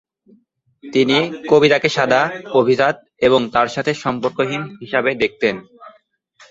তিনি কবিতাকে সাদা, অভিজাত এবং তার সাথে সম্পর্কহীন হিসাবে দেখতেন।